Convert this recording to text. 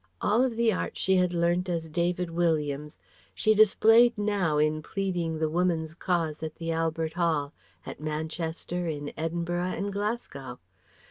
All the arts she had learnt as David Williams she displayed now in pleading the woman's cause at the Albert Hall, at Manchester, in Edinburgh and Glasgow.